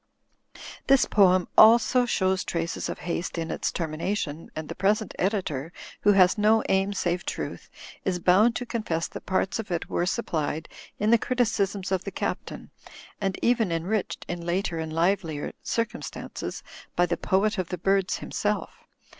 This poem also shows traces of haste in its tennina tion, and the present editor (who has no aim save truth) is bound to confess that parts of it were sup plied in the criticisms of the Captain, and even en riched (in later and livelier circumstances) by the Poet of the Birds himself.